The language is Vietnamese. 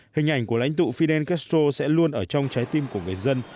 hình ảnh của lãnh tụ fidel castro sẽ luôn ở trong trái tim của người dân